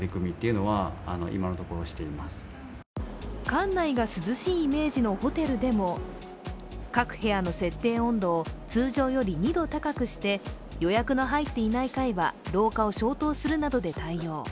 館内が涼しいイメージのホテルでも各部屋の設定温度を通常より２度高くして予約の入っていない階は廊下を消灯するなどで対応。